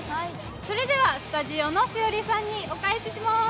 それではスタジオの栞里さんにお返しします。